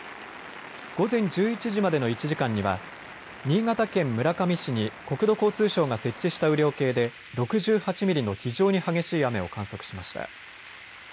午前１１時までの１時間には新潟県村上市に国土交通省が設置した雨量計で６８ミリの非常に激しい雨を観測しました。